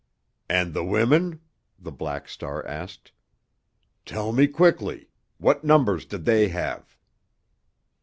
"And the women?" the Black Star asked. "Tell me quickly! What numbers did they have?"